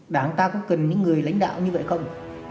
đảng ta cũng cần những người lãnh đạo như vậy không